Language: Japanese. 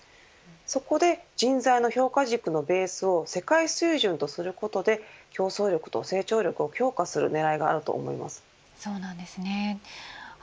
そこで、人材の評価軸のベースを世界水準とすることで競争力と成長力を強化する狙いがあると思います。